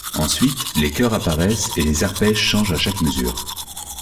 Ensuite, les chœurs apparaissent, et les arpèges changent à chaque mesure.